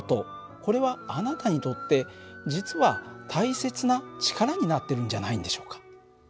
これはあなたにとって実は大切な力になってるんじゃないんでしょうか。